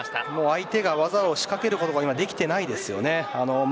相手が技を仕掛けることができていません。